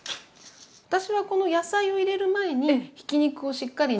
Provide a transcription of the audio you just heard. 私はこの野菜を入れる前にひき肉をしっかり練ります。